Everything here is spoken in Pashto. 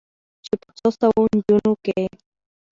چې په څو سوو نجونو کې